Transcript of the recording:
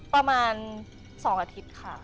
ประมาณ๒อาทิตย์ค่ะ